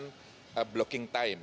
penekatan blocking time